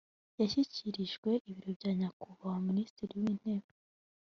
yashyikirijwe ibiro bya nyakubahwa minisitiri w’intebe